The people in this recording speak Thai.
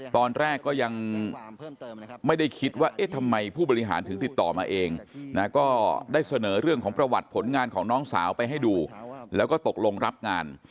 ตอนแรกก็ยังไม่ได้คิดว่าเอ๊ะทำไมผู้บริหารถึงติดต่อมาเองนะก็ได้เสนอเรื่องของประวัติผลงานของน้องสาวไปให้ดูแล้วก็ตกลงรับงาน